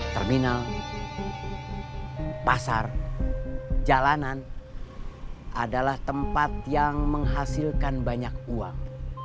terminal pasar jalanan adalah tempat yang menghasilkan banyak uang